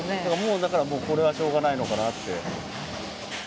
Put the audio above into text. だからこれはもうしょうがないのかなって。